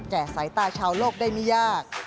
สายตาชาวโลกได้ไม่ยาก